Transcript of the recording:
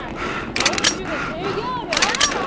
今週の授業料ですよ。